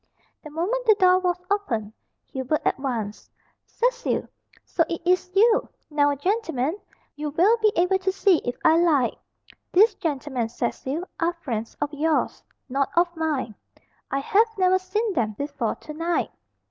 The moment the door was opened Hubert advanced. "Cecil! so it is you. Now, gentlemen, you will be able to see if I lied. These gentlemen, Cecil, are friends of yours, not of mine. I have never seen them before to night.